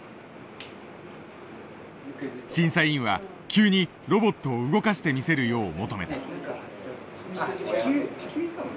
審査委員は急にロボットを動かしてみせるよう求めた。